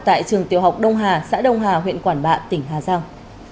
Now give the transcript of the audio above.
tại trường tiểu học đông hà xã đông hà huyện quản bạ tỉnh hà giang